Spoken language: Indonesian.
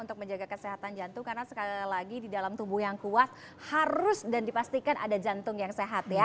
untuk menjaga kesehatan jantung karena sekali lagi di dalam tubuh yang kuat harus dan dipastikan ada jantung yang sehat ya